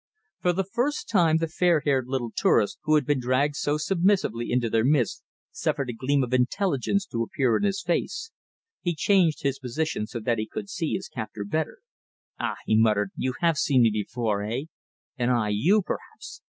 For the first time the fair haired little tourist, who had been dragged so submissively into their midst, suffered a gleam of intelligence to appear in his face. He changed his position so that he could see his captor better. "Ah!" he muttered, "you have seen me before, eh? And I you, perhaps!